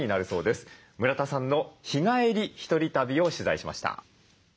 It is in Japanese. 村田さんの日帰り１人旅を取材しました。